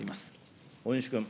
大西君。